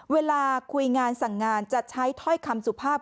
เวลาคุยงานสั่งงานจะใช้ถ้อยคำสุภาพ